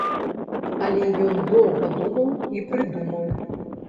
Але ён доўга думаў і прыдумаў.